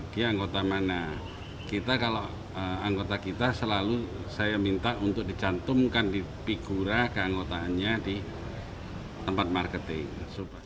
dia anggota mana kita kalau anggota kita selalu saya minta untuk dicantumkan di figura keanggotaannya di tempat marketing